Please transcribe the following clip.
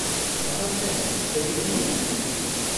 Adam sen de, söyleyip de ne olacak sanki?